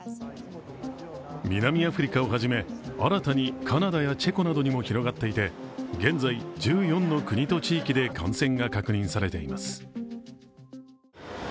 南アフリカをはじめ新たにカナダやチェコなどにも広がっていて現在、１４の国と地域で感染が確認されています。